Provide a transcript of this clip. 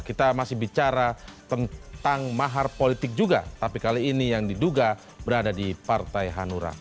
kita masih bicara tentang mahar politik juga tapi kali ini yang diduga berada di partai hanura